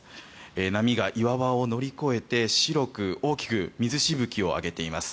波が岩場を乗り越えて白く大きく水しぶきを上げています。